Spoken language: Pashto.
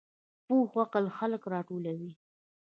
پوخ عقل خلک راټولوي